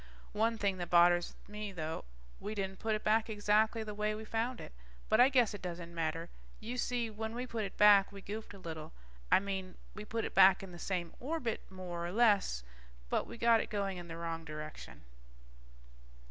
One thing that bothers me though, we didn't put it back exactly the way we found it. But I guess it doesn't matter. You see, when we put it back, we goofed a little. I mean, we put it back in the same orbit, more or less, but we got it going in the wrong direction.